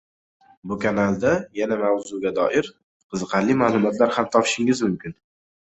Bu kanalda yana mavzuga doir qiziqarli maʼlumotlar ham topishingiz mumkin.